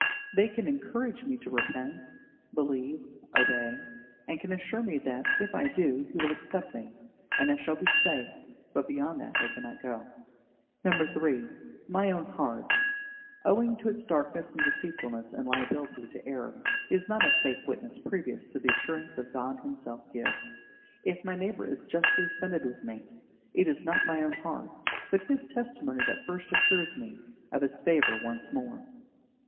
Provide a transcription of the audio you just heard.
They can encourage me to repent, believe, obey, and can assure me that, if I do, He will accept me, and I shall be saved; but beyond that they cannot go. 3. My own heart, owing to its darkness and deceitfulness and liability to error, is not a safe witness previous to the assurance God Himself gives. If my neighbour is justly offended with me, it is not my own heart, but his testimony that first assures me of his favour once more.